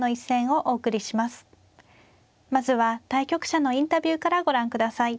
まずは対局者のインタビューからご覧ください。